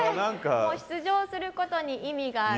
もう出場することに意味がある。